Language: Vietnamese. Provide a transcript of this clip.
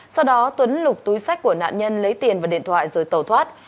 sau đó tuấn lục túi sách của nạn nhân lấy tiền và điện thoại rồi tàu thoát